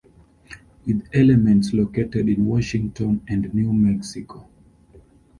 With elements located in Washington and New Mexico.